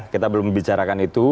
kita belum membicarakan itu